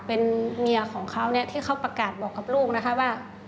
เป็นเมียของเขาเนี่ยที่เขาประกาศบอกกับลูกนะคะว่า